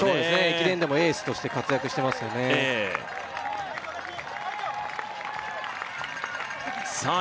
駅伝でもエースとして活躍してますよねさあ